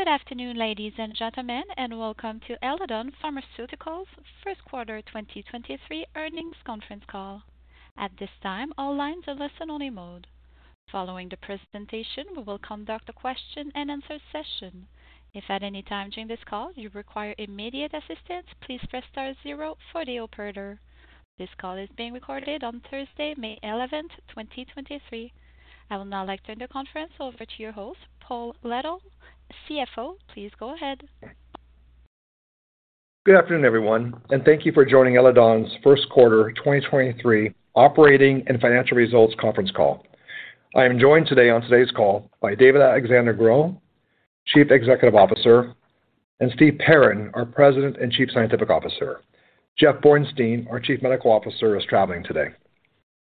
Good afternoon, ladies and gentlemen, and welcome to Eledon Pharmaceuticals' first quarter 2023 earnings conference call. At this time, all lines are listen-only mode. Following the presentation, we will conduct a question-and-answer session. If at any time during this call you require immediate assistance, please press *0 for the operator. This call is being recorded on Thursday, May 11th, 2023. I would now like to turn the conference over to your host, Paul Little, CFO. Please go ahead. Good afternoon, everyone, thank you for joining Eledon's first-quarter 2023 operating and financial results conference call. I am joined today on today's call by David-Alexandre Gros, Chief Executive Officer, and Steven Perrin, our President and Chief Scientific Officer. Jeff Bornstein, our Chief Medical Officer, is traveling today.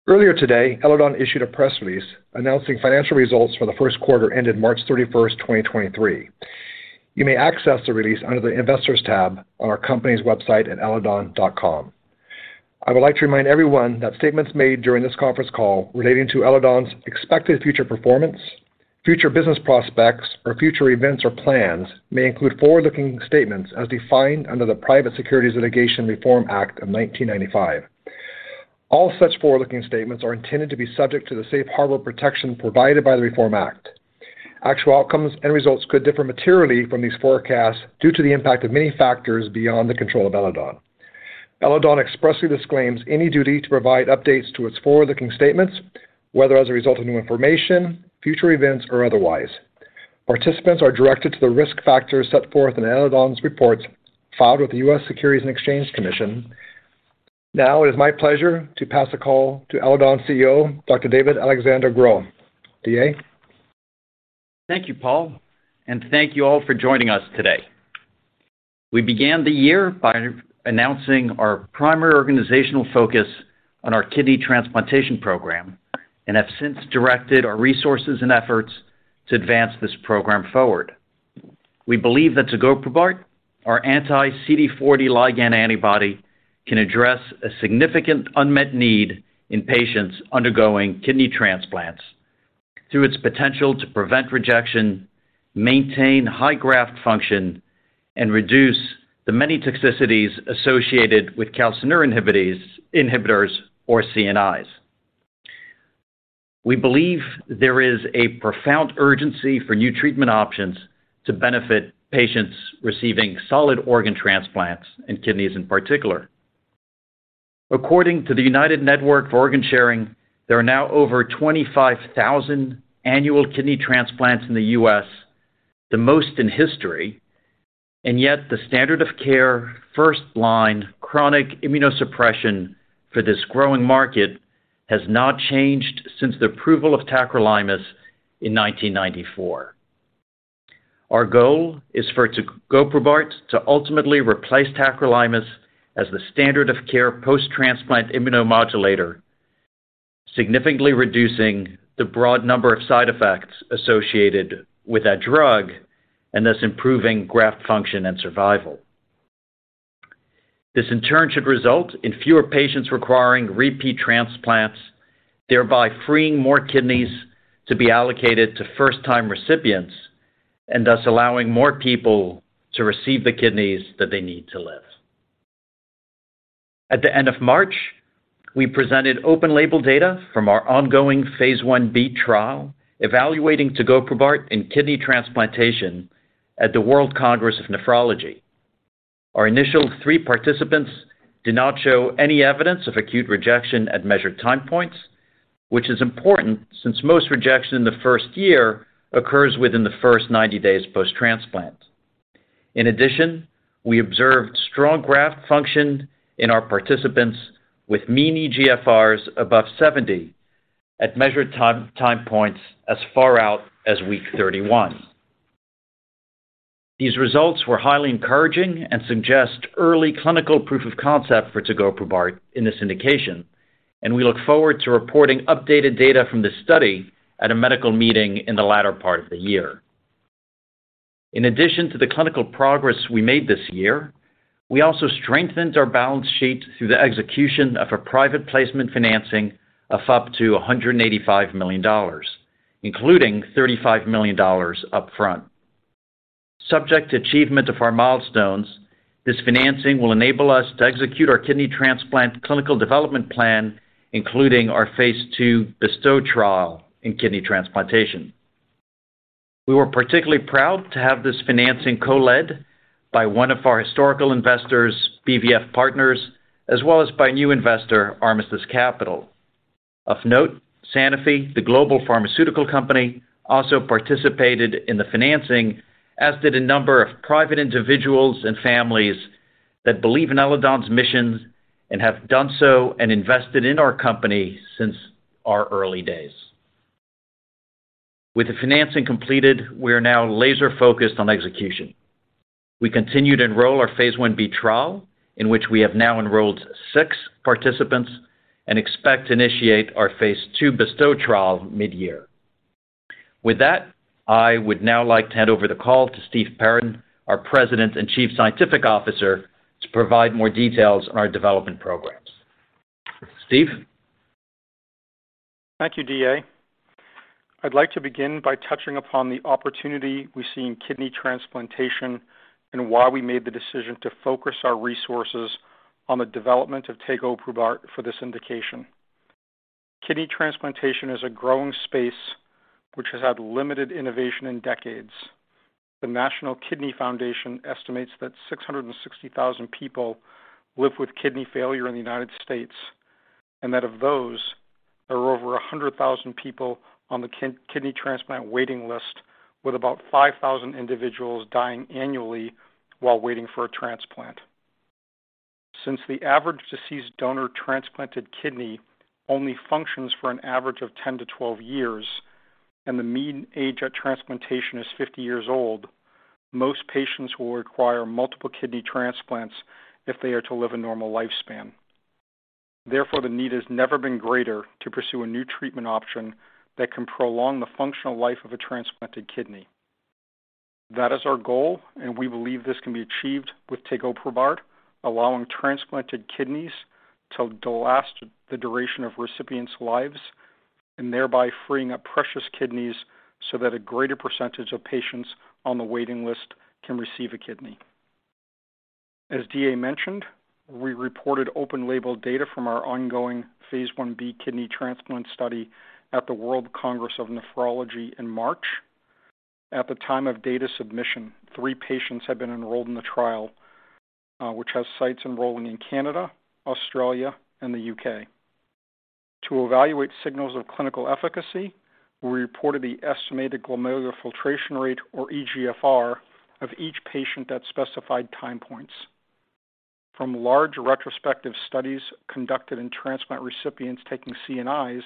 Earlier today, Eledon issued a press release announcing financial results for the first quarter ended March thirty-first, 2023. You may access the release under the Investors tab on our company's website at eledon.com. I would like to remind everyone that statements made during this conference call relating to Eledon's expected future performance, future business prospects, or future events or plans may include forward-looking statements as defined under the Private Securities Litigation Reform Act of 1995. All such forward-looking statements are intended to be subject to the safe harbor protection provided by the Reform Act. Actual outcomes and results could differ materially from these forecasts due to the impact of many factors beyond the control of Eledon. Eledon expressly disclaims any duty to provide updates to its forward-looking statements, whether as a result of new information, future events, or otherwise. Participants are directed to the risk factors set forth in Eledon's reports filed with the U.S. Securities and Exchange Commission. Now it is my pleasure to pass the call to Eledon CEO, Dr. David-Alexandre Gros. DA? Thank you, Paul, and thank you all for joining us today. We began the year by announcing our primary organizational focus on our kidney transplantation program and have since directed our resources and efforts to advance this program forward. We believe that tegoprubart, our anti-CD40 ligand antibody, can address a significant unmet need in patients undergoing kidney transplants through its potential to prevent rejection, maintain high graft function, and reduce the many toxicities associated with calcineurin inhibitors or CNIs. We believe there is a profound urgency for new treatment options to benefit patients receiving solid organ transplants and kidneys in particular. According to the United Network for Organ Sharing, there are now over 25,000 annual kidney transplants in the U.S., the most in history. Yet the standard of care first-line chronic immunosuppression for this growing market has not changed since the approval of tacrolimus in 1994. Our goal is for tegoprubart to ultimately replace tacrolimus as the standard of care post-transplant immunomodulator, significantly reducing the broad number of side effects associated with that drug and thus improving graft function and survival. This in turn should result in fewer patients requiring repeat transplants, thereby freeing more kidneys to be allocated to first-time recipients and thus allowing more people to receive the kidneys that they need to live. At the end of March, we presented open label data from our ongoing Phase 1b trial evaluating tegoprubart in kidney transplantation at the World Congress of Nephrology. Our initial three participants did not show any evidence of acute rejection at measured time points, which is important since most rejection in the first year occurs within the first 90 days post-transplant. In addition, we observed strong graft function in our participants with mean eGFRs above 70 at measured time points as far out as week 31. These results were highly encouraging and suggest early clinical proof of concept for tegoprubart in this indication. We look forward to reporting updated data from this study at a medical meeting in the latter part of the year. In addition to the clinical progress we made this year, we also strengthened our balance sheet through the execution of a private placement financing of up to $185 million, including $35 million upfront. Subject to achievement of our milestones, this financing will enable us to execute our kidney transplant clinical development plan, including our phase 2 BESTOW trial in kidney transplantation. We were particularly proud to have this financing co-led by one of our historical investors, BVF Partners, as well as by new investor, Armistice Capital. Of note, Sanofi, the global pharmaceutical company, also participated in the financing, as did a number of private individuals and families that believe in Eledon's mission and have done so and invested in our company since our early days. With the financing completed, we are now laser-focused on execution. We continue to enroll our phase 1b trial, in which we have now enrolled 6 participants and expect to initiate our phase 2 BESTOW trial mid-year. With that, I would now like to hand over the call to Steven Perrin, our President and Chief Scientific Officer, to provide more details on our development programs. Steve? Thank you, DA. I'd like to begin by touching upon the opportunity we see in kidney transplantation and why we made the decision to focus our resources on the development of tegoprubart for this indication. Kidney transplantation is a growing space which has had limited innovation in decades. The National Kidney Foundation estimates that 660,000 people live with kidney failure in the United States, and that of those, there are over 100,000 people on the kidney transplant waiting list, with about 5,000 individuals dying annually while waiting for a transplant. Since the average deceased donor transplanted kidney only functions for an average of 10-12 years, and the mean age at transplantation is 50 years old, most patients will require multiple kidney transplants if they are to live a normal lifespan. Therefore, the need has never been greater to pursue a new treatment option that can prolong the functional life of a transplanted kidney. That is our goal, and we believe this can be achieved with tegoprubart, allowing transplanted kidneys to last the duration of recipients' lives and thereby freeing up precious kidneys so that a greater percentage of patients on the waiting list can receive a kidney. As DA mentioned, we reported open label data from our ongoing Phase 1b kidney transplant study at the World Congress of Nephrology in March. At the time of data submission, 3 patients had been enrolled in the trial, which has sites enrolling in Canada, Australia, and the U.K. To evaluate signals of clinical efficacy, we reported the estimated glomerular filtration rate, or eGFR, of each patient at specified time points. From large retrospective studies conducted in transplant recipients taking CNIs,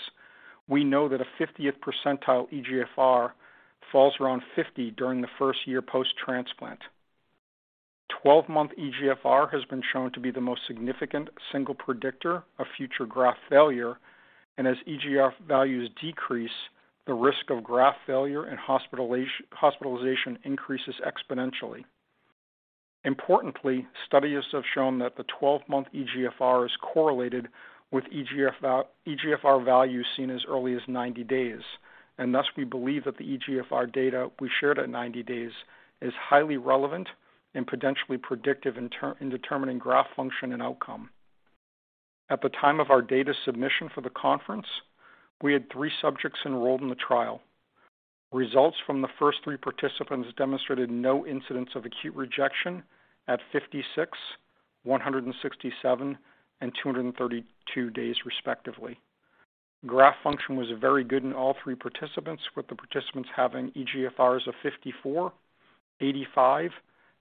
we know that a 50th percentile eGFR falls around 50 during the first year post-transplant. 12-month eGFR has been shown to be the most significant single predictor of future graft failure, as eGFR values decrease, the risk of graft failure and hospitalization increases exponentially. Importantly, studies have shown that the 12-month eGFR is correlated with eGFR values seen as early as 90 days. Thus, we believe that the eGFR data we shared at 90 days is highly relevant and potentially predictive in determining graft function and outcome. At the time of our data submission for the conference, we had three subjects enrolled in the trial. Results from the first three participants demonstrated no incidents of acute rejection at 56, 167, and 232 days respectively. Graft function was very good in all 3 participants, with the participants having eGFRs of 54, 85,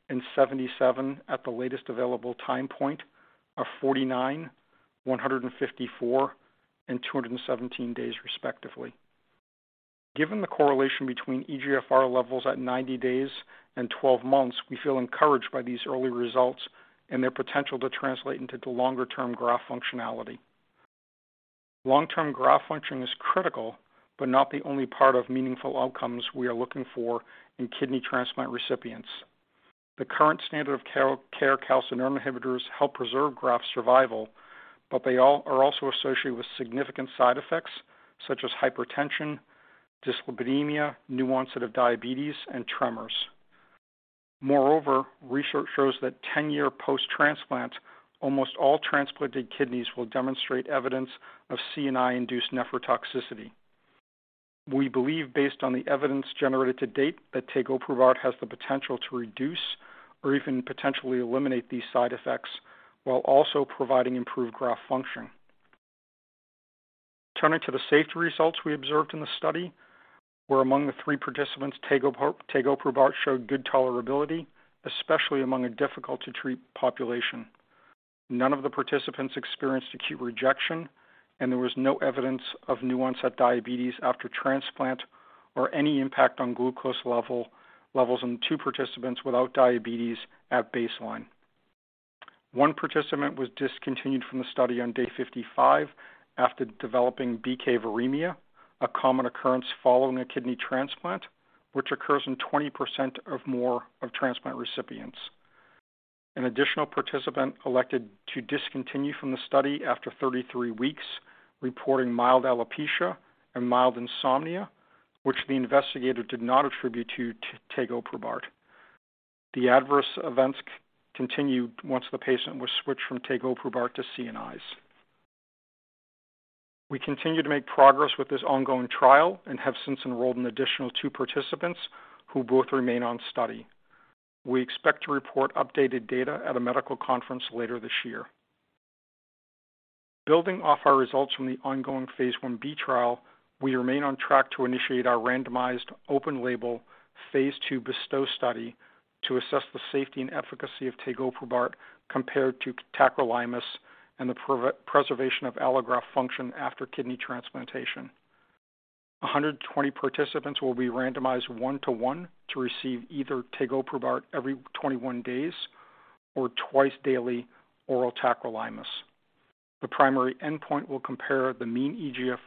and 77 at the latest available time point of 49, 154, and 217 days respectively. Given the correlation between eGFR levels at 90 days and 12 months, we feel encouraged by these early results and their potential to translate into the longer-term graft functionality. Long-term graft function is critical, but not the only part of meaningful outcomes we are looking for in kidney transplant recipients. The current standard of care, calcineurin inhibitors help preserve graft survival, but they are also associated with significant side effects such as hypertension, dyslipidemia, new onset of diabetes and tremors. Moreover, research shows that 10-year post-transplant, almost all transplanted kidneys will demonstrate evidence of CNI-induced nephrotoxicity. We believe based on the evidence generated to date, that tegoprubart has the potential to reduce or even potentially eliminate these side effects while also providing improved graft function. Turning to the safety results we observed in the study were among the 3 participants, tegoprubart showed good tolerability, especially among a difficult to treat population. None of the participants experienced acute rejection, and there was no evidence of new onset diabetes after transplant or any impact on glucose levels in 2 participants without diabetes at baseline. One participant was discontinued from the study on day 55 after developing BK viremia, a common occurrence following a kidney transplant, which occurs in 20% or more of transplant recipients. An additional participant elected to discontinue from the study after 33 weeks, reporting mild alopecia and mild insomnia, which the investigator did not attribute to tegoprubart. The adverse events continued once the patient was switched from tegoprubart to CNIs. We continue to make progress with this ongoing trial and have since enrolled an additional 2 participants who both remain on study. We expect to report updated data at a medical conference later this year. Building off our results from the ongoing Phase 1b trial, we remain on track to initiate our randomized open label Phase 2 BESTOW study to assess the safety and efficacy of tegoprubart compared to tacrolimus and the preservation of allograft function after kidney transplantation. 120 participants will be randomized 1-to-1 to receive either tegoprubart every 21 days or twice daily oral tacrolimus. The primary endpoint will compare the mean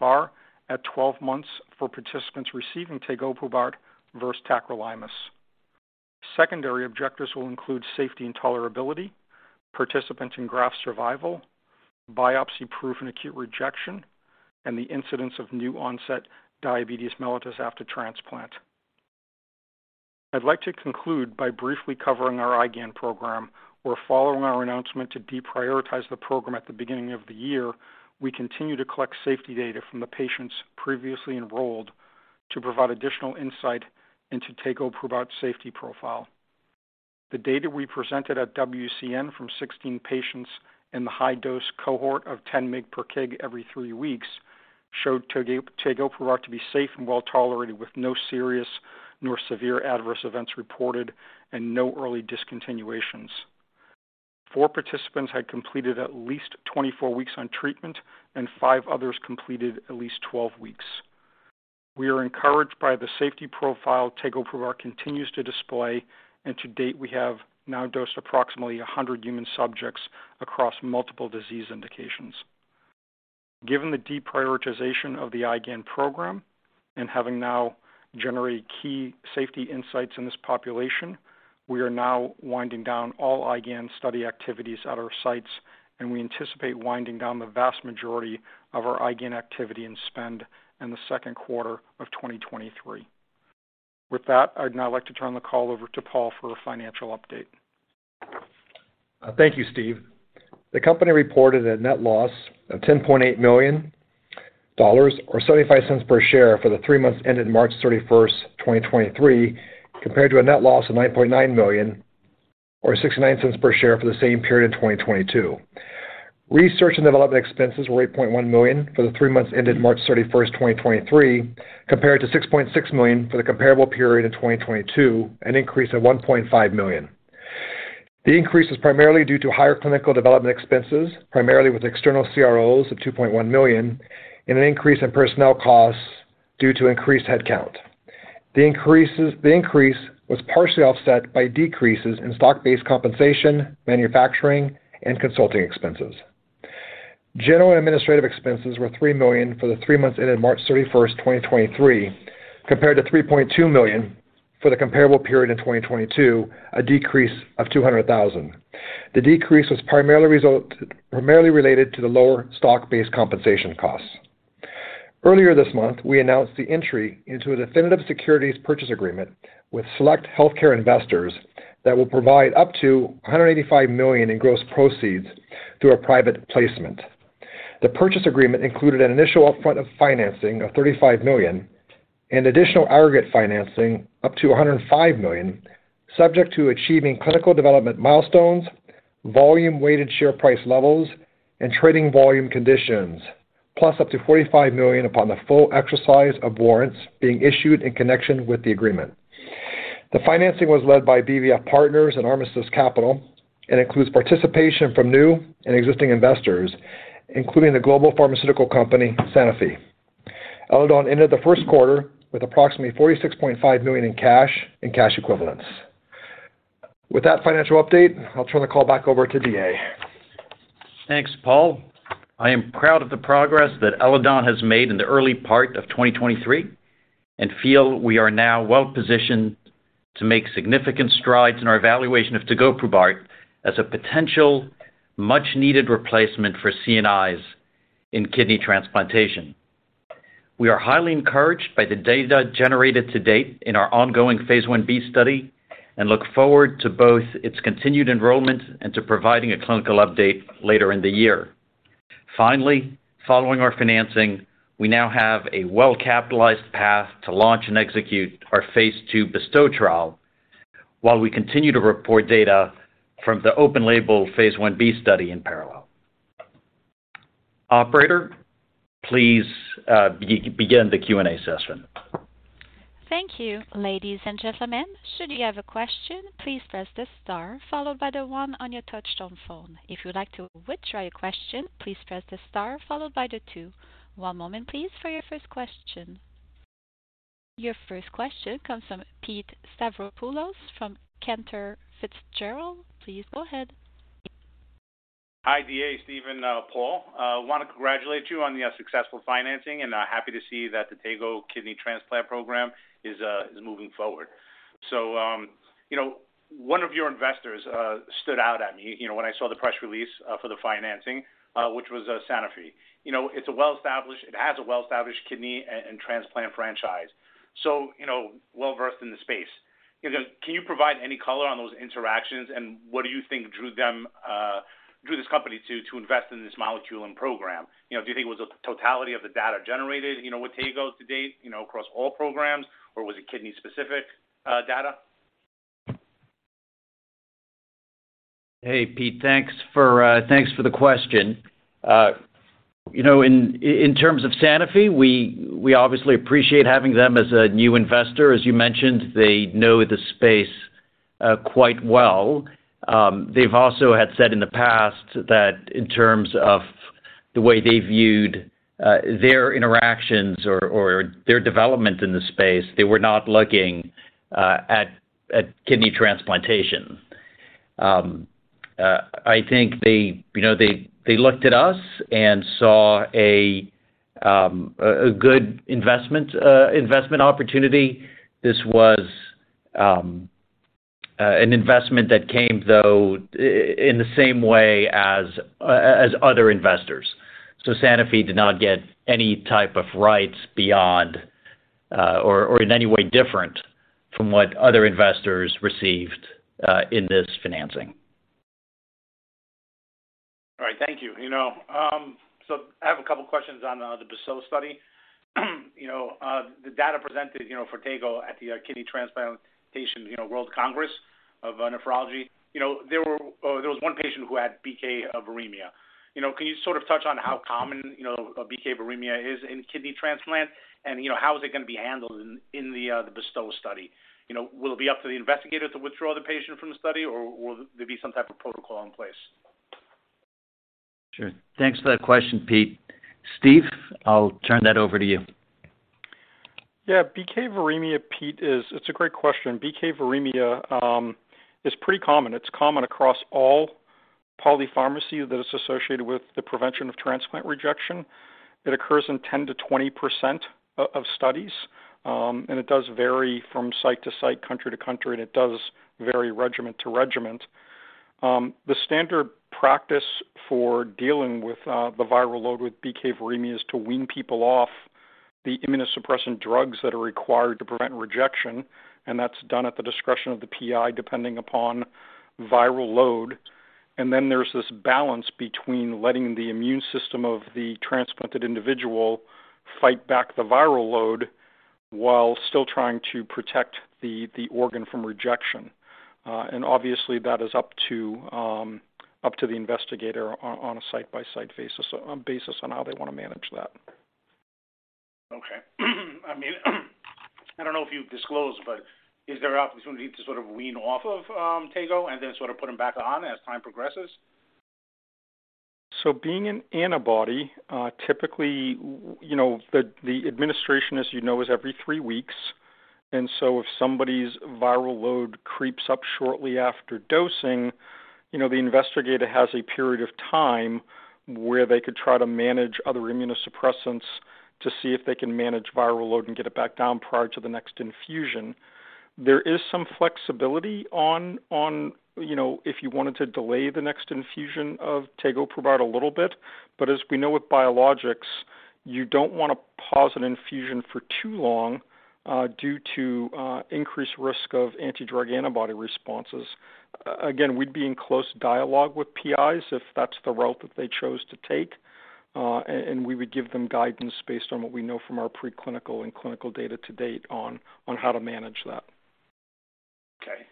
eGFR at 12 months for participants receiving tegoprubart versus tacrolimus. Secondary objectives will include safety and tolerability, participants in graft survival, biopsy proof and acute rejection, and the incidence of new onset diabetes mellitus after transplant. I'd like to conclude by briefly covering our IgAN program, where following our announcement to deprioritize the program at the beginning of the year, we continue to collect safety data from the patients previously enrolled to provide additional insight into tegoprubart safety profile. The data we presented at WCN from 16 patients in the high dose cohort of 10 mg per kg every 3 weeks showed tegoprubart to be safe and well tolerated, with no serious nor severe adverse events reported and no early discontinuations. Four participants had completed at least 24 weeks on treatment, and five others completed at least 12 weeks. We are encouraged by the safety profile tegoprubart continues to display. To date we have now dosed approximately 100 human subjects across multiple disease indications. Given the deprioritization of the IgAN program and having now generated key safety insights in this population, we are now winding down all IgAN study activities at our sites, and we anticipate winding down the vast majority of our IgAN activity and spend in the second quarter of 2023. With that, I'd now like to turn the call over to Paul for a financial update. Thank you, Steve. The company reported a net loss of $10.8 million or $0.75 per share for the three months ended March 31, 2023, compared to a net loss of $9.9 million or $0.69 per share for the same period in 2022. Research and development expenses were $8.1 million for the three months ended March 31, 2023, compared to $6.6 million for the comparable period in 2022, an increase of $1.5 million. The increase is primarily due to higher clinical development expenses, primarily with external CROs of $2.1 million, and an increase in personnel costs due to increased headcount. The increase was partially offset by decreases in stock-based compensation, manufacturing, and consulting expenses. General and administrative expenses were $3 million for the 3 months ended March 31, 2023, compared to $3.2 million for the comparable period in 2022, a decrease of $200,000. The decrease was primarily related to the lower stock-based compensation costs. Earlier this month, we announced the entry into a definitive securities purchase agreement with select healthcare investors that will provide up to $185 million in gross proceeds through a private placement. The purchase agreement included an initial upfront of financing of $35 million and additional aggregate financing up to $105 million, subject to achieving clinical development milestones, volume-weighted share price levels, and trading volume conditions, plus up to $45 million upon the full exercise of warrants being issued in connection with the agreement. The financing was led by BVF Partners and Armistice Capital and includes participation from new and existing investors, including the global pharmaceutical company Sanofi. Eledon ended the first quarter with approximately $46.5 million in cash and cash equivalents. With that financial update, I'll turn the call back over to DA. Thanks, Paul. I am proud of the progress that Eledon has made in the early part of 2023 and feel we are now well positioned to make significant strides in our evaluation of tegoprubart as a potential much-needed replacement for CNIs in kidney transplantation. We are highly encouraged by the data generated to date in our ongoing Phase 1b study and look forward to both its continued enrollment and to providing a clinical update later in the year. Finally, following our financing, we now have a well-capitalized path to launch and execute our Phase 2 BESTOW trial while we continue to report data from the open label Phase 1b study in parallel. Operator, please begin the Q&A session. Thank you. Ladies and gentlemen, should you have a question, please press the star followed by the one on your touchtone phone. If you would like to withdraw your question, please press the star followed by the two. One moment please for your first question. Your first question comes from Pete Stavropoulos from Cantor Fitzgerald. Please go ahead. Hi, DA, Steve and Paul. Want to congratulate you on the successful financing and happy to see that the Tego kidney transplant program is moving forward. You know, one of your investors, stood out at me, you know, when I saw the press release for the financing, which was Sanofi. You know, it's a well-established... it has a well-established kidney and transplant franchise, so, you know, well-versed in the space. You know, can you provide any color on those interactions? What do you think drew them, drew this company to invest in this molecule and program? You know, do you think it was the totality of the data generated, you know, with Tego to date, you know, across all programs, or was it kidney specific data? Hey, Pete, thanks for the question. You know, in terms of Sanofi, we obviously appreciate having them as a new investor. As you mentioned, they know the space quite well. They've also had said in the past that in terms of the way they viewed their interactions or their development in the space, they were not looking at kidney transplantation. I think they, you know, they looked at us and saw a good investment opportunity. This was an investment that came though in the same way as other investors. Sanofi did not get any type of rights beyond or in any way different from what other investors received in this financing. All right, thank you. You know, I have a couple questions on the BESTOW study. You know, the data presented, you know, for Tego at the Kidney Transplant Patient, you know, World Congress of Nephrology. You know, there was 1 patient who had BK viremia. You know, can you sort of touch on how common, you know, a BK viremia is in kidney transplant? You know, how is it gonna be handled in the BESTOW study? You know, will it be up to the investigator to withdraw the patient from the study, or will there be some type of protocol in place? Sure. Thanks for that question, Pete. Steve, I'll turn that over to you. BK viremia, Pete, It's a great question. BK viremia is pretty common. It's common across all polypharmacy that is associated with the prevention of transplant rejection. It occurs in 10%-20% of studies, and it does vary from site to site, country to country, and it does vary regimen to regimen. The standard practice for dealing with the viral load with BK viremia is to wean people off the immunosuppressant drugs that are required to prevent rejection, and that's done at the discretion of the PI, depending upon viral load. There's this balance between letting the immune system of the transplanted individual fight back the viral load while still trying to protect the organ from rejection. Obviously, that is up to the investigator on a site-by-site basis on how they wanna manage that. I mean, I don't know if you've disclosed, but is there an opportunity to sort of wean off of Tego and then sort of put them back on as time progresses? Being an antibody, typically, you know, the administration, as you know, is every 3 weeks. If somebody's viral load creeps up shortly after dosing, you know, the investigator has a period of time where they could try to manage other immunosuppressants to see if they can manage viral load and get it back down prior to the next infusion. There is some flexibility on, you know, if you wanted to delay the next infusion of tegoprubart a little bit. As we know with biologics, you don't wanna pause an infusion for too long, due to increased risk of anti-drug antibody responses. Again, we'd be in close dialogue with PIs if that's the route that they chose to take, and we would give them guidance based on what we know from our preclinical and clinical data to date on how to manage that. Okay.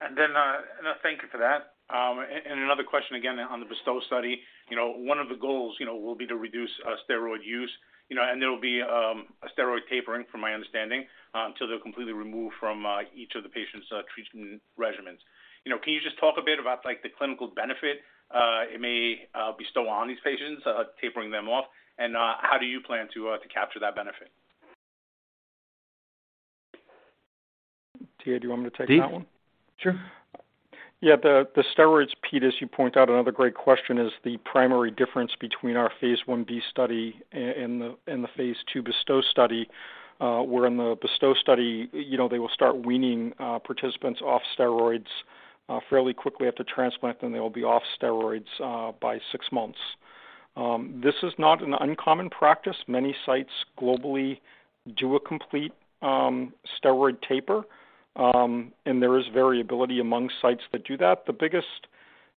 Thank you for that. Another question again on the BESTOW study. You know, one of the goals, you know, will be to reduce, steroid use, you know, and there will be a steroid tapering, from my understanding, till they're completely removed from each of the patients' treatment regimens. You know, can you just talk a bit about like the clinical benefit it may bestow on these patients, tapering them off, and how do you plan to capture that benefit? DA, do you want me to take that one? Sure. The steroids, Pete, as you point out, another great question, is the primary difference between our Phase 1b study and the Phase 2 BESTOW study, where in the BESTOW study, you know, they will start weaning participants off steroids fairly quickly after transplant, and they will be off steroids by 6 months. This is not an uncommon practice. Many sites globally do a complete steroid taper, and there is variability among sites that do that. The biggest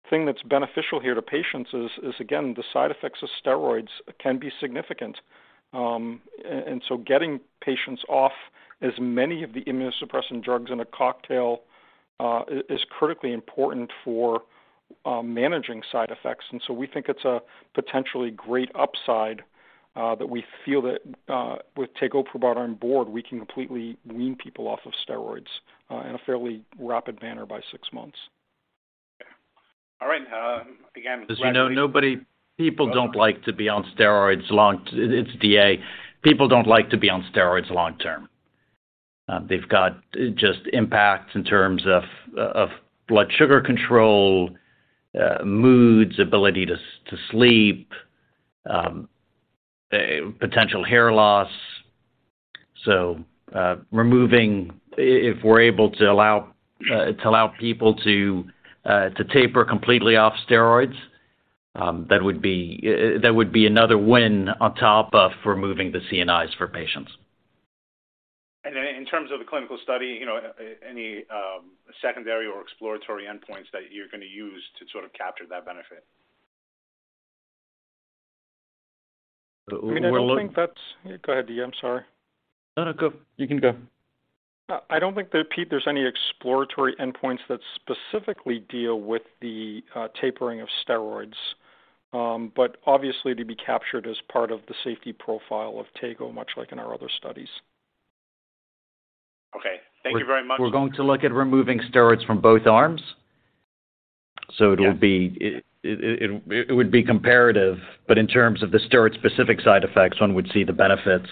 thing that's beneficial here to patients is again, the side effects of steroids can be significant. And so getting patients off as many of the immunosuppressant drugs in a cocktail is critically important for managing side effects. We think it's a potentially great upside, that we feel that, with tegoprubart on board, we can completely wean people off of steroids, in a fairly rapid manner by six months. All right. You know, people don't like to be on steroids long. It's DA. People don't like to be on steroids long term. They've got just impacts in terms of blood sugar control, moods, ability to sleep, potential hair loss. If we're able to allow people to taper completely off steroids, that would be another win on top of removing the CNIs for patients. In terms of the clinical study, you know, any secondary or exploratory endpoints that you're gonna use to sort of capture that benefit? Well- I mean, I don't think that's... Go ahead, DA. I'm sorry. No, no. Go. You can go. I don't think that, Pete, there's any exploratory endpoints that specifically deal with the tapering of steroids. Obviously to be captured as part of the safety profile of tegoprubart, much like in our other studies. Okay. Thank you very much. We're going to look at removing steroids from both arms. Yeah. It would be comparative, but in terms of the steroid-specific side effects, one would see the benefits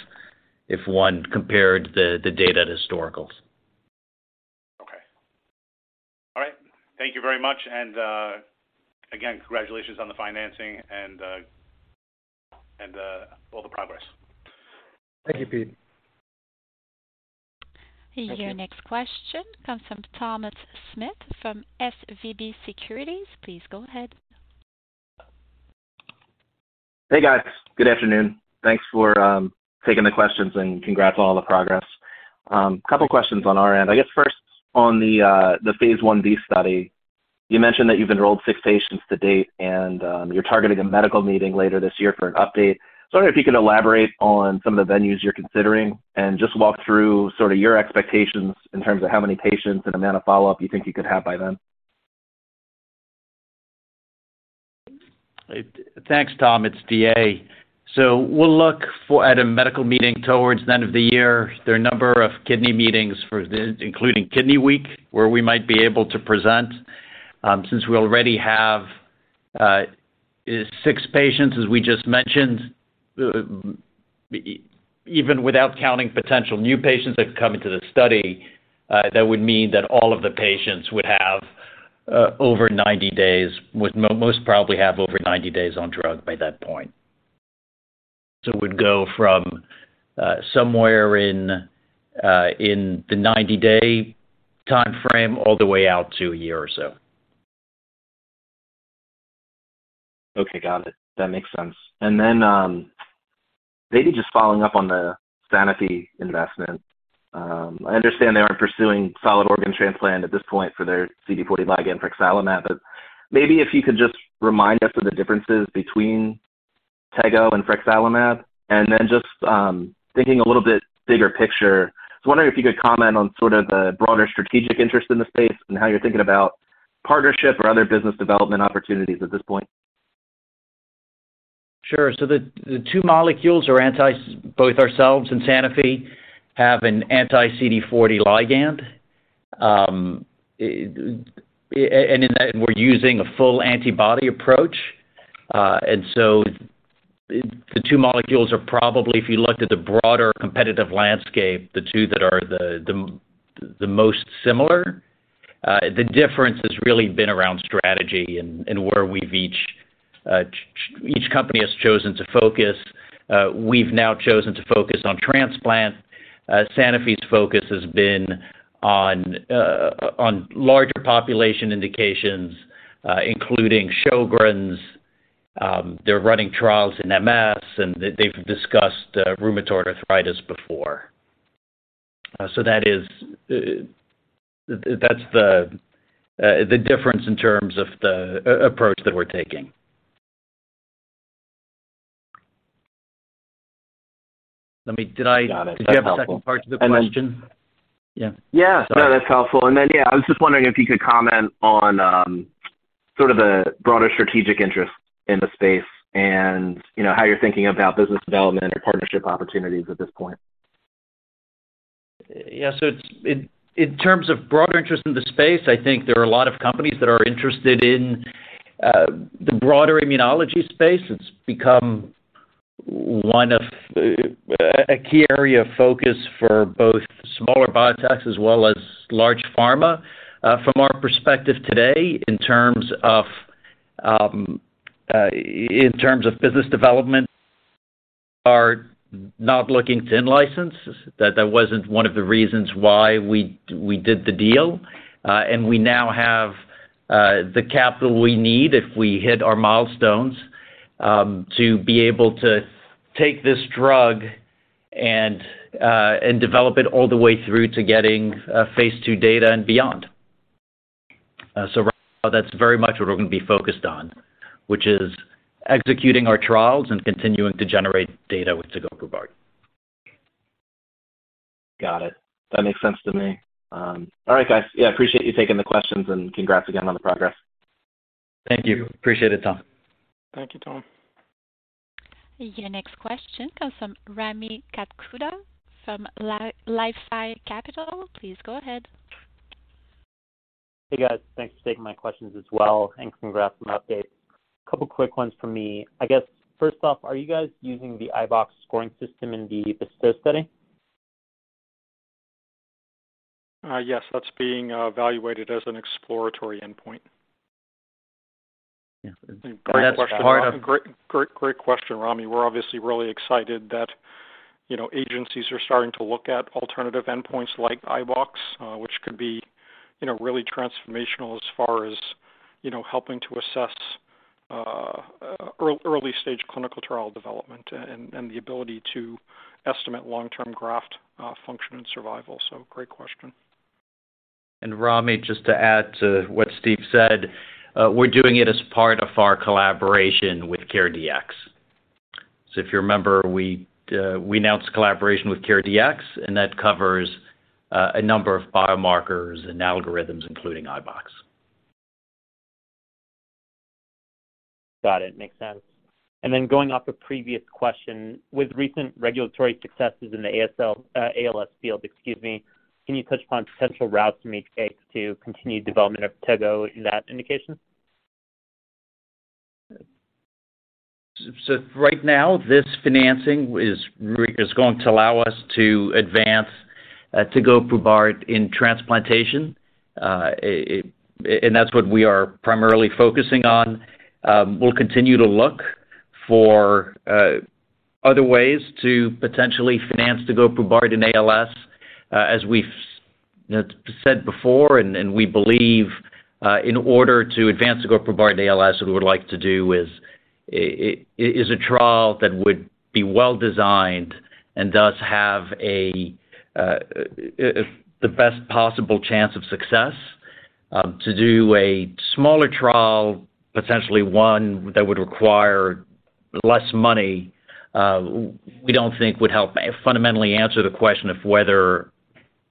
if one compared the data to historicals. Okay. All right. Thank you very much. Again, congratulations on the financing and all the progress. Thank you, Pete. Your next question comes from Thomas Smith from SVB Securities. Please go ahead. Hey, guys. Good afternoon. Thanks for taking the questions and congrats on all the progress. A couple questions on our end. I guess first, on the phase 1b study, you mentioned that you've enrolled six patients to date, and you're targeting a medical meeting later this year for an update. I wonder if you could elaborate on some of the venues you're considering and just walk through sort of your expectations in terms of how many patients and amount of follow-up you think you could have by then. Thanks, Tom. It's DA. We'll look at a medical meeting towards the end of the year. There are a number of kidney meetings for this, including Kidney Week, where we might be able to present. Since we already have 6 patients, as we just mentioned, even without counting potential new patients that could come into the study, that would mean that all of the patients would have over 90 days, would most probably have over 90 days on drug by that point. It would go from somewhere in the 90-day timeframe all the way out to 1 year or so. Okay, got it. That makes sense. Maybe just following up on the Sanofi investment. I understand they aren't pursuing solid organ transplant at this point for their CD40 ligand frexalimab. Maybe if you could just remind us of the differences between TEGO and frexalimab. Just, thinking a little bit bigger picture, I was wondering if you could comment on sort of the broader strategic interest in the space and how you're thinking about partnership or other business development opportunities at this point? Sure. Both ourselves and Sanofi have an anti-CD40 ligand, and in that we're using a full antibody approach. The two molecules are probably, if you looked at the broader competitive landscape, the two that are the most similar. The difference has really been around strategy and where we've each company has chosen to focus. We've now chosen to focus on transplant. Sanofi's focus has been on larger population indications, including Sjögren's. They're running trials in MS, and they've discussed rheumatoid arthritis before. That is, that's the difference in terms of the approach that we're taking. Let me. Did I? Got it. That's helpful. Did you have a second part to the question? Yeah. Yeah. No, that's helpful. Then, yeah, I was just wondering if you could comment on, sort of the broader strategic interest in the space and, you know, how you're thinking about business development or partnership opportunities at this point. In terms of broader interest in the space, I think there are a lot of companies that are interested in the broader immunology space. It's become one of a key area of focus for both smaller biotechs as well as large pharma. From our perspective today, in terms of business development, are not looking to in-license. That wasn't one of the reasons why we did the deal. We now have the capital we need if we hit our milestones to be able to take this drug and develop it all the way through to getting phase 2 data and beyond. Right now that's very much what we're gonna be focused on, which is executing our trials and continuing to generate data with VIB4920. Got it. That makes sense to me. All right, guys. Appreciate you taking the questions. Congrats again on the progress. Thank you. Appreciate it, Tom. Thank you, Tom. Your next question comes from Rami Katkhuda from LifeSci Capital. Please go ahead. Hey, guys. Thanks for taking my questions as well. Congrats on the update. A couple quick ones from me. I guess, first off, are you guys using the iBox scoring system in the BESTOW study? Yes, that's being evaluated as an exploratory endpoint. Yeah. That's part of- Great, great question, Rami. We're obviously really excited that, you know, agencies are starting to look at alternative endpoints like iBox, which could be, you know, really transformational as far as, you know, helping to assess early stage clinical trial development and the ability to estimate long-term graft function and survival. Great question. Rami, just to add to what Steve said, we're doing it as part of our collaboration with CareDx. If you remember, we announced collaboration with CareDx, and that covers a number of biomarkers and algorithms, including iBox. Got it. Makes sense. Going off a previous question, with recent regulatory successes in the ALS field, excuse me, can you touch upon potential routes from each phase to continued development of TEGO in that indication? Right now, this financing is going to allow us to advance tegoprubart in transplantation. And that's what we are primarily focusing on. We'll continue to look for other ways to potentially finance tegoprubart in ALS. As we've, you know, said before, and we believe, in order to advance tegoprubart in ALS, what we would like to do is a trial that would be well-designed and does have the best possible chance of success. To do a smaller trial, potentially one that would require less money, we don't think would help fundamentally answer the question of whether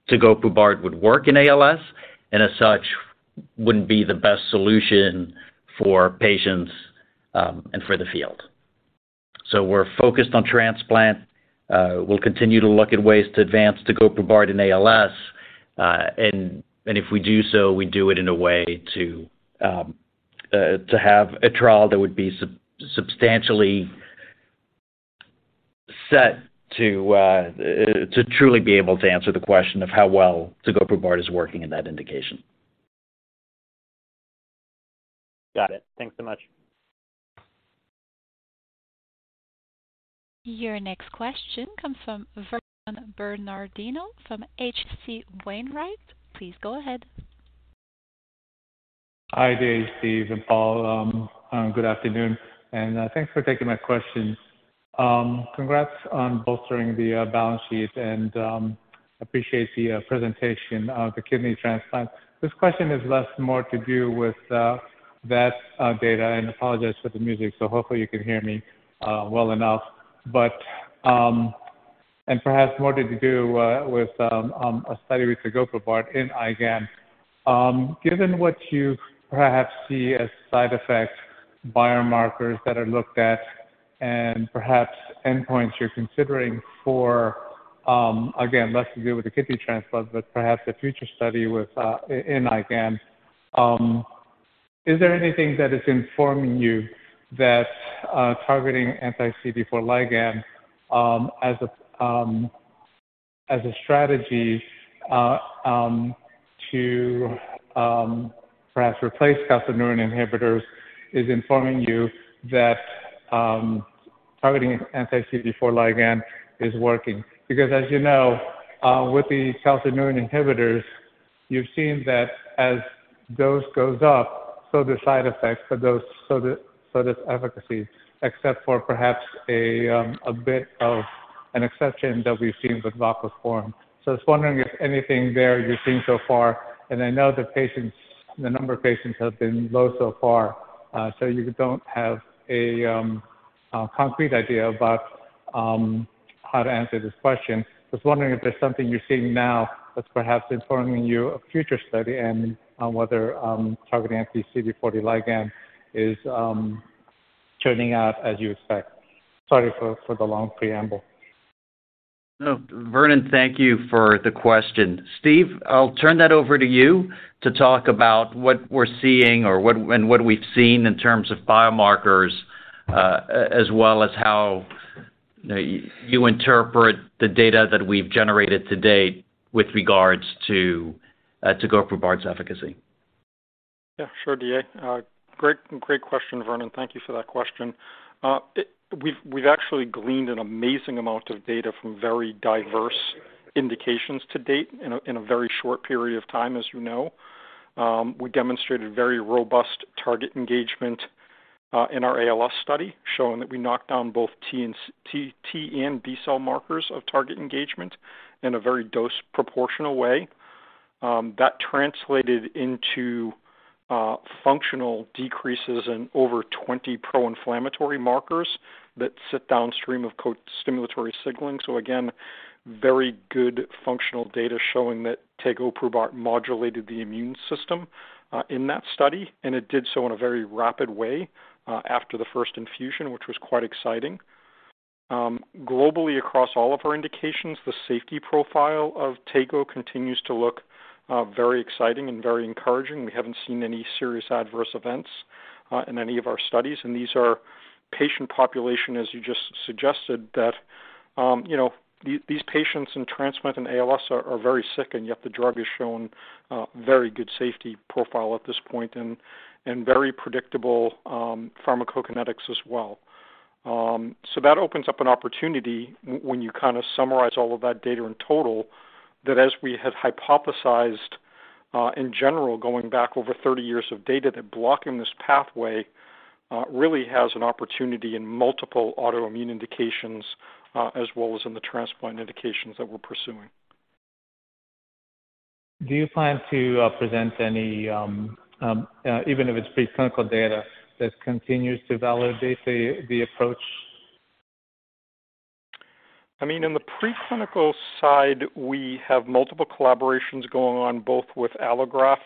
tegoprubart would work in ALS, and as such, wouldn't be the best solution for patients and for the field. We're focused on transplant. We'll continue to look at ways to advance tegoprubart in ALS. If we do so, we do it in a way to have a trial that would be substantially set to truly be able to answer the question of how well tegoprubart is working in that indication. Got it. Thanks so much. Your next question comes from Vernon Bernardino from H.C. Wainwright. Please go ahead. Hi there, Steve and Paul. Good afternoon, thanks for taking my question. Congrats on bolstering the balance sheet, appreciate the presentation of the kidney transplant. This question is less more to do with that data, and apologize for the music, hopefully you can hear me well enough. Perhaps more to do with a study with tegoprubart in IgAN. Given what you perhaps see as side effects, biomarkers that are looked at, and perhaps endpoints you're considering for, again, less to do with the kidney transplant but perhaps a future study with in IgAN, is there anything that is informing you that targeting anti-CD40 ligand as a strategy to perhaps replace calcineurin inhibitors is informing you that targeting anti-CD40 ligand is working? Because as you know, with the calcineurin inhibitors, you've seen that as dose goes up, so do side effects for dose so do, so does efficacy, except for perhaps a bit of an exception that we've seen with voclosporin. I was wondering if anything there you've seen so far, and I know the patients, the number of patients have been low so far, so you don't have a concrete idea about how to answer this question. Just wondering if there's something you're seeing now that's perhaps informing you of future study and whether targeting anti-CD40 ligand is turning out as you expect. Sorry for the long preamble. No, Vernon, thank you for the question. Steve, I'll turn that over to you to talk about what we're seeing or what, and what we've seen in terms of biomarkers, as well as how, you know, you interpret the data that we've generated to date with regards to tegoprubart's efficacy. Sure, DA. Great question, Vernon. Thank you for that question. It... we've actually gleaned an amazing amount of data from very diverse indications to date in a, in a very short period of time, as you know. We demonstrated very robust target engagement in our ALS study, showing that we knocked down both T and B cell markers of target engagement in a very dose proportional way. That translated into functional decreases in over 20 pro-inflammatory markers that sit downstream of co-stimulatory signaling. Again, very good functional data showing that tegoprubart modulated the immune system in that study, and it did so in a very rapid way after the first infusion, which was quite exciting. Globally across all of our indications, the safety profile of tego continues to look very exciting and very encouraging. We haven't seen any serious adverse events in any of our studies, and these are patient population, as you just suggested, that, you know, these patients in transplant and ALS are very sick and yet the drug has shown very good safety profile at this point and very predictable pharmacokinetics as well. That opens up an opportunity when you kinda summarize all of that data in total, that as we have hypothesized, in general, going back over 30 years of data, that blocking this pathway really has an opportunity in multiple autoimmune indications, as well as in the transplant indications that we're pursuing. Do you plan to present any even if it's pre-clinical data that continues to validate the approach? I mean, in the pre-clinical side, we have multiple collaborations going on both with allograft,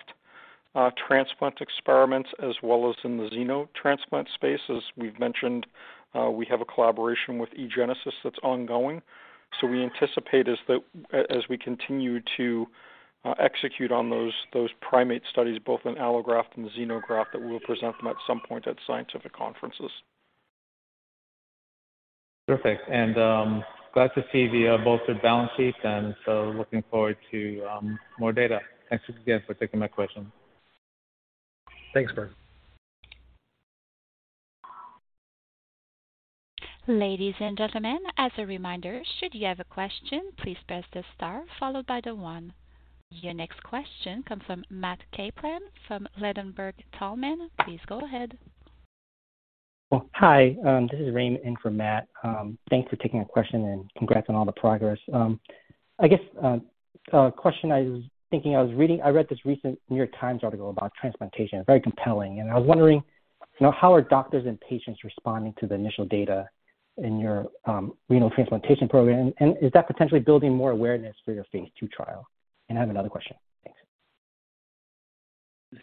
transplant experiments as well as in the xenotransplant space as we've mentioned. We have a collaboration with eGenesis that's ongoing. We anticipate as we continue to execute on those primate studies, both in allograft and xenograft, that we'll present them at some point at scientific conferences. Perfect. Glad to see the bolstered balance sheet, and so looking forward to more data. Thanks again for taking my question. Thanks, DA. Ladies and gentlemen, as a reminder, should you have a question, please press the star followed by the one. Your next question comes from Matthew Kaplan from Ladenburg Thalmann. Please go ahead. Well, hi, this is Ray in for Matt. Thanks for taking a question, congrats on all the progress. I guess, a question I read this recent The New York Times article about transplantation. Very compelling. I was wondering, you know, how are doctors and patients responding to the initial data in your renal transplantation program? Is that potentially building more awareness for your Phase 2 trial? I have another question. Thanks.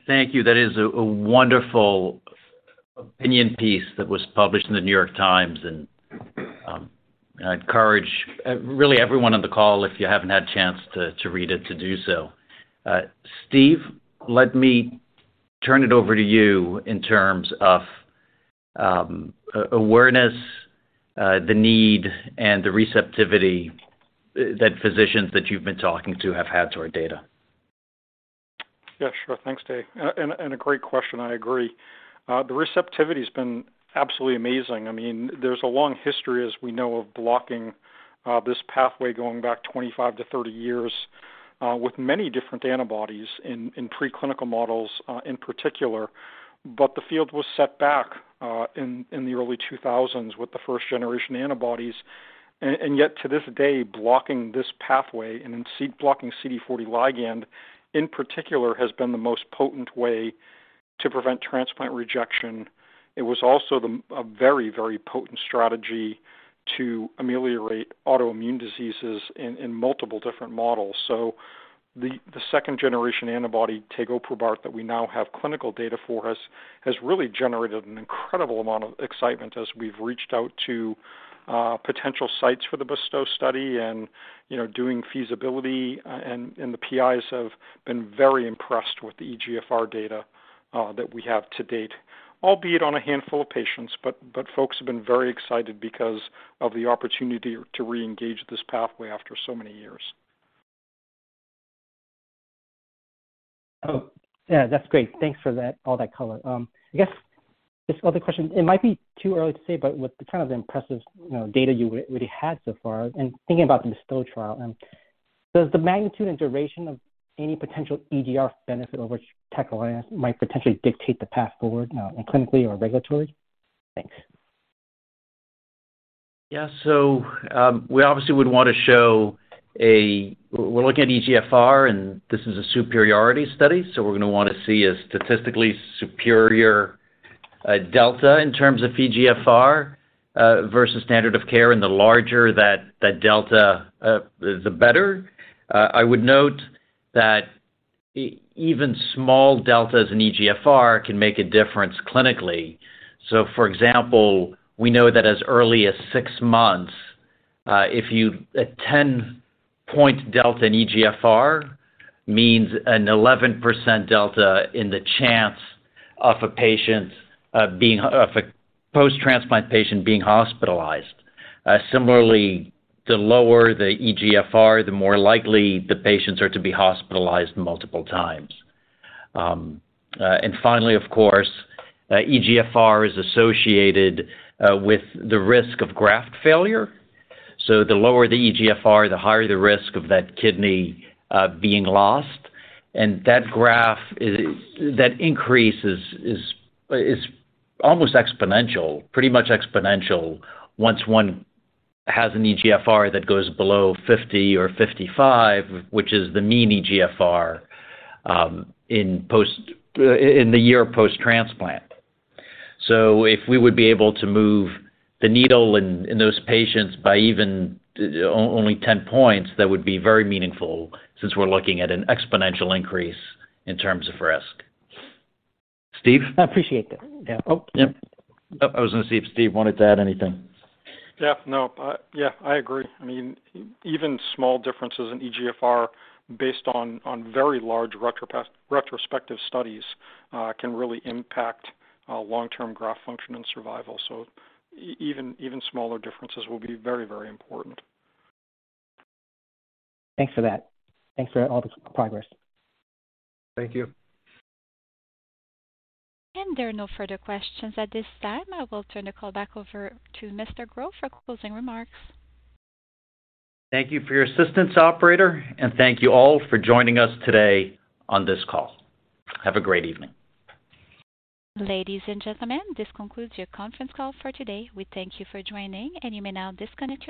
Thank you. That is a wonderful opinion piece that was published in The New York Times and I encourage really everyone on the call, if you haven't had a chance to read it, to do so. Steve, let me turn it over to you in terms of awareness, the need, and the receptivity that physicians that you've been talking to have had to our data. Yeah, sure. Thanks, Dave. A great question. I agree. The receptivity's been absolutely amazing. I mean, there's a long history, as we know, of blocking this pathway going back 25 to 30 years with many different antibodies in preclinical models in particular. The field was set back in the early 2000s with the first generation antibodies. Yet to this day, blocking this pathway and blocking CD40 ligand in particular has been the most potent way to prevent transplant rejection. It was also a very, very potent strategy to ameliorate autoimmune diseases in multiple different models. The, the second generation antibody, tegoprubart, that we now have clinical data for, has really generated an incredible amount of excitement as we've reached out to potential sites for the BESTOW study and, you know, doing feasibility. The PIs have been very impressed with the eGFR data that we have to date, albeit on a handful of patients, but folks have been very excited because of the opportunity to reengage this pathway after so many years. Oh, yeah, that's great. Thanks for that. All that color. I guess just other question, it might be too early to say, but with the kind of the impressive, you know, data you really had so far, and thinking about the BESTOW trial, does the magnitude and duration of any potential eGFR benefit over tacrolimus might potentially dictate the path forward, clinically or regulatory? Thanks. Yeah. We obviously would wanna show, we're looking at eGFR, and this is a superiority study, we're gonna wanna see a statistically superior delta in terms of eGFR versus standard of care, and the larger that delta, the better. I would note that even small deltas in eGFR can make a difference clinically. For example, we know that as early as six months, a 10-point delta in eGFR means an 11% delta in the chance of a post-transplant patient being hospitalized. Similarly, the lower the eGFR, the more likely the patients are to be hospitalized multiple times. Finally, of course, eGFR is associated with the risk of graft failure. The lower the eGFR, the higher the risk of that kidney being lost. That graph is, that increase is almost exponential, pretty much exponential once one has an eGFR that goes below 50 or 55, which is the mean eGFR in post in the year post-transplant. If we would be able to move the needle in those patients by even only 10 points, that would be very meaningful since we're looking at an exponential increase in terms of risk. Steve? I appreciate that. Yeah. Oh. Yep. Oh, I was gonna see if Steve wanted to add anything. Yeah. No. Yeah, I agree. I mean, even small differences in eGFR based on very large retrospective studies can really impact long-term graft function and survival. Even smaller differences will be very, very important. Thanks for that. Thanks for all the progress. Thank you. There are no further questions at this time. I will turn the call back over to Dr. Gros for closing remarks. Thank you for your assistance, operator. Thank you all for joining us today on this call. Have a great evening. Ladies and gentlemen, this concludes your conference call for today. We thank you for joining, and you may now disconnect your-.